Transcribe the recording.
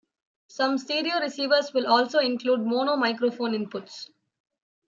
Some stereo receivers will also include mono microphone inputs.